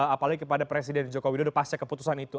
apalagi kepada presiden joko widodo pasca keputusan itu